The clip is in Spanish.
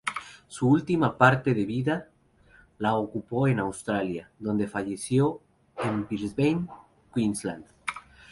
Su última parte de vida, la ocupó en Australia, donde falleció en Brisbane, Queensland.